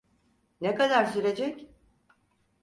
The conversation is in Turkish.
Ne kadar sürecek?